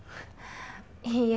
いいえ。